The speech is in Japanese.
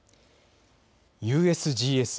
ＵＳＧＳ